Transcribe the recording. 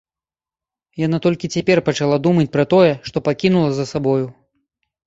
Яна толькі цяпер пачала думаць пра тое, што пакінула за сабою.